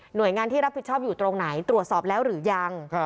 โดยงานที่รับผิดชอบอยู่ตรงไหนตรวจสอบแล้วหรือยัง